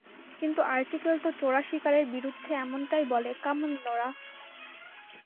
কিন্তু আর্টিকেল তো চোরাশিকারের বিরুদ্ধে এমনটাই বলে কাম অন, নোরাহ!